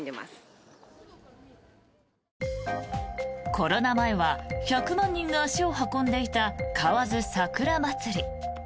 コロナ前は１００万人が足を運んでいた河津桜まつり。